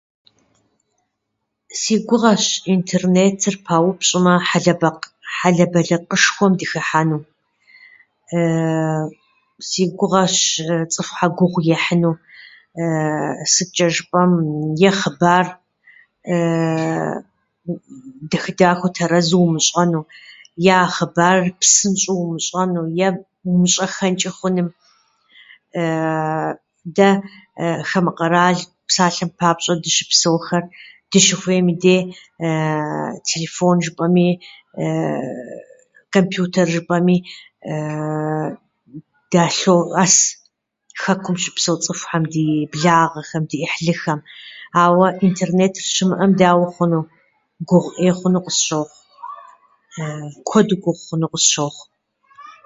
Си гугъэщ интернетыр паупщӏмэ, хьэлэбэкъ- хьэлэбэлыкъышхуэм дыхыхьэну. Си гугъэщ цӏыхухьэр гугъу ехьыну. Сыткӏэ жыпӏэм, е хъыбар, дахэдахэу тэрэзу умыщӏэну, е хъыбар псынщӏэу умыщӏэну, е умыщӏэххэнкӏэ хъуну. Дэ хамэ къэрал, псалъэм папщӏэ, дыщыпсэухэр дыщыхуейм и де телефон жыпӏэми компьютер жыпӏэми далъоӏэс хэкум щыпсэу цӏыхухэм – ди благъэхэм, ди ӏыхьлыхэм. Ауэ интернетыр щымыӏэм, дауэ хъуну? Гугъу ӏей хъуну къысщохъу, куэду гугъу хъуну къысщохъу.